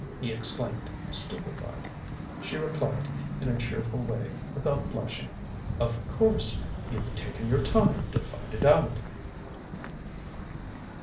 he exclaimed, stupefied. She replied in her cheerful way, without blushing: "Of course. You've taken your time to find it out!"